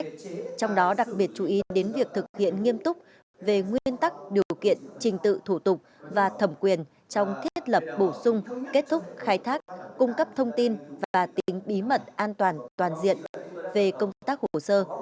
trong đó đặc biệt chú ý đến việc thực hiện nghiêm túc về nguyên tắc điều kiện trình tự thủ tục và thẩm quyền trong thiết lập bổ sung kết thúc khai thác cung cấp thông tin và tính bí mật an toàn toàn diện về công tác hồ sơ